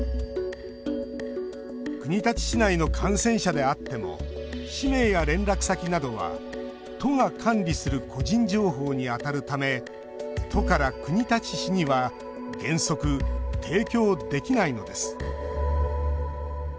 国立市内の感染者であっても氏名や連絡先などは都が管理する個人情報にあたるため都から国立市には原則、提供できないのです。